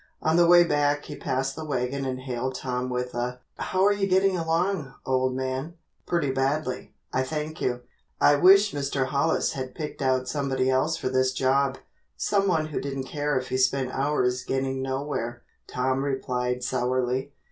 On the way back he passed the wagon and hailed Tom with a "How are you getting along, old man?" "Pretty badly, I thank you. I wish Mr. Hollis had picked out somebody else for this job someone who didn't care if he spent hours getting nowhere," Tom replied sourly.